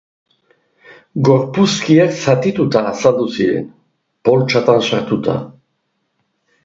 Gorpuzkiak zatituta azaldu ziren, poltsatan sartuta.